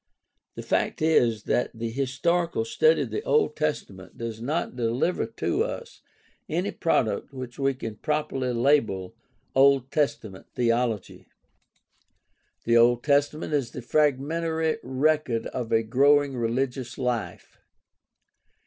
The fact is that the historical study of the Old Testament does not deliver to us any product which we can properly label Old Testament theology. The Old Testament is the fragmentary record of a growing religious life.